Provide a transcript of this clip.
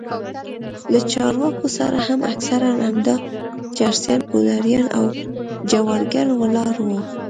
له چارواکو سره هم اکثره همدا چرسيان پوډريان او جوارگر ولاړ وو.